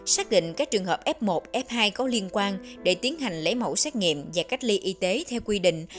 xác định các trường hợp f một f hai có liên quan để tiến hành lấy mẫu xét nghiệm và cách ly y tế theo quy định